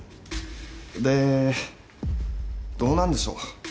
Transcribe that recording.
でどうなんでしょう？